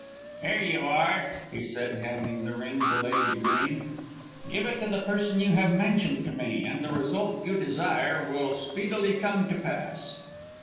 "Here you are," he said handing the ring to Lady De Greene, "give it to the person you have mentioned to me and the result you desire will speedily come to pass."